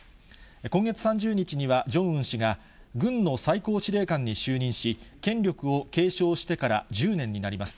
今月３０日には、ジョンウン氏が軍の最高司令官に就任し、権力を継承してから１０年になります。